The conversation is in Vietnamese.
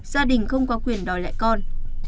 gia đình không có quyền đòi lại con